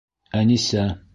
Әнисә.